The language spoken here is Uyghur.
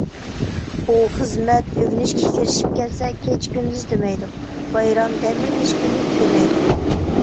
ئۇ خىزمەت، ئۆگىنىشكە كىرىشىپ كەتسە كېچە-كۈندۈز دېمەيدۇ؛ بايرام، دەم ئېلىش كۈنى دېمەيدۇ.